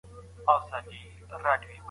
زه اوس مطالعه کوم.